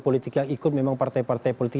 politik yang ikut memang partai partai politik